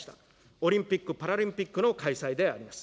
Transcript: オリンピック・パラリンピックの開催であります。